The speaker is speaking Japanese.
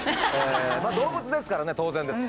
まあ動物ですからね当然です。